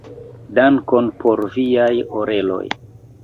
Dankon por Viaj oreloj.